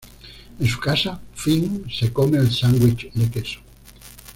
En su casa, Finn se come el sándwich de queso.